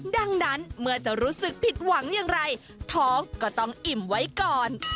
ดังนั้นเมื่อจะรู้สึกผิดหวังอย่างไรท้องก็ต้องอิ่มไว้ก่อน